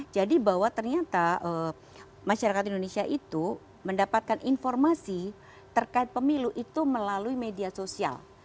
jadi bahwa ternyata masyarakat indonesia itu mendapatkan informasi terkait pemilu itu melalui media sosial